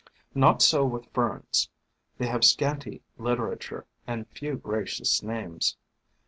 Not so with Ferns. They have scanty litera ture and few gracious names.